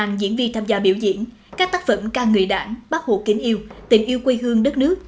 các diễn viên tham gia biểu diễn các tác phẩm ca người đảng bác hồ kính yêu tình yêu quê hương đất nước